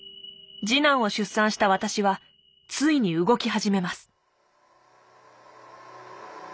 次男を出産した私はついに動き始めます。